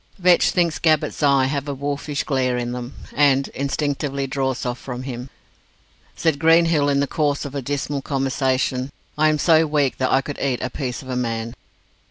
Vetch thinks Gabbett's eyes have a wolfish glare in them, and instinctively draws off from him. Said Greenhill, in the course of a dismal conversation, "I am so weak that I could eat a piece of a man."